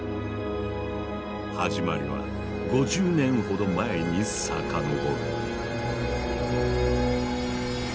始まりは５０年ほど前に遡る。